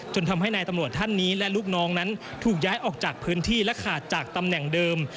ทำให้นายตำรวจท่านนี้และลูกน้องนั้นถูกย้ายออกจากพื้นที่และขาดจากตำแหน่งเดิม